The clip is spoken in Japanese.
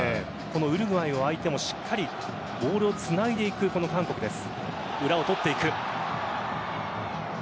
ウルグアイを相手にしっかりボールをつないでいく韓国です。